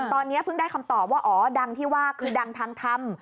ตอนนี้เพิ่งได้คำตอบว่าอ๋อดังที่ว่าคือดังทางธรรม